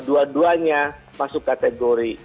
dua duanya masuk kategori